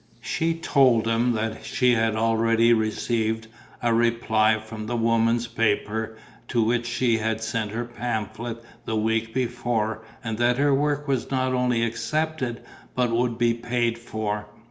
She told him that she had already received a reply from the woman's paper to which she had sent her pamphlet the week before and that her work was not only accepted but would be paid for.